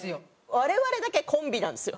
我々だけコンビなんですよ。